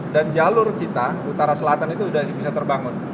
dan jalur kita utara selatan itu sudah bisa terbangun